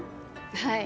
はい。